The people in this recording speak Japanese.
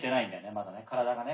まだ体がね。